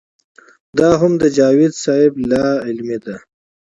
دا هم د جاوېد صېب لا علمي ده